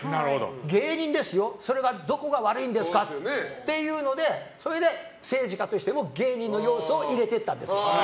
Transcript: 芸人ですよ、それのどこが悪いんですかっていうのでそれで政治家としても芸人の要素を入れていったんです。